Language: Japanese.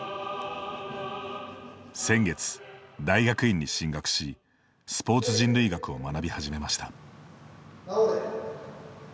先月、大学院に進学しスポーツ人類学を学び始めました。